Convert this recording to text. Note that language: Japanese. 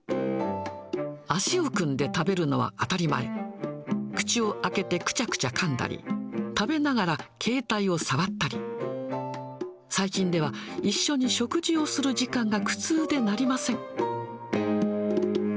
足を組んで食べるのは当たり前、口を開けてくちゃくちゃかんだり、食べながら携帯を触ったり、最近では、一緒に食事をする時間が苦痛でなりません。